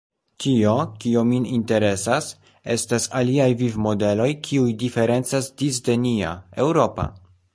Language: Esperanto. Tio, kio min interesas, estas aliaj vivmodeloj, kiuj diferencas disde nia, eŭropa.